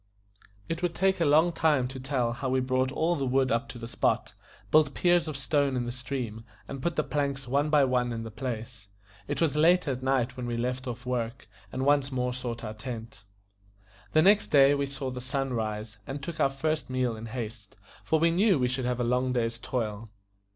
It would take a long time to tell how we brought all the wood up to the spot, built piers of stone in the stream, and put the planks one by one in the place; it was late at night when we left off work, and once more sought our tent. The next day we saw the sun rise, and took our first meal in haste, for we knew we should have a long day's toil.